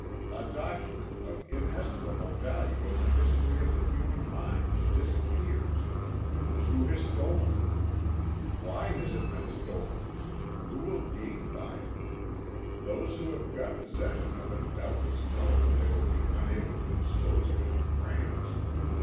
A document of inestimable value in the history of the human mind disappears. Who has stolen it? Why has it been stolen? Who will gain by it? Those who have got possession of it doubtless know that they will be unable to dispose of it in France.